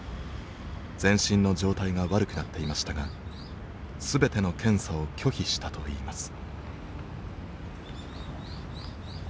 全身の状態が悪くなっていましたが全ての検査を拒否したといいます。